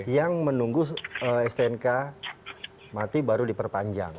yang menunggu stnk mati baru diperpanjang